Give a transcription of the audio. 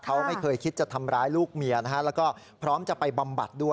เขาไม่เคยคิดจะทำร้ายลูกเมียนะฮะแล้วก็พร้อมจะไปบำบัดด้วย